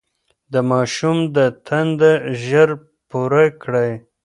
د ماشوم د تنده ژر پوره کړئ.